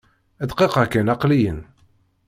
Dqiqa kan! Aqli-yin!